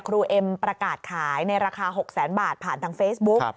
เอ็มประกาศขายในราคา๖แสนบาทผ่านทางเฟซบุ๊ก